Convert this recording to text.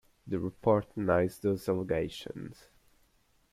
The report denies those allegations.